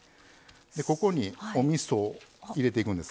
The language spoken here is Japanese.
ここにおみそを入れていくんです。